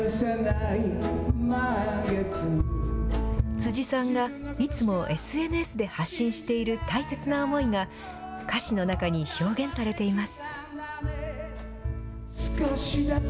辻さんがいつもＳＮＳで発信している大切な思いが、歌詞の中に表現されています。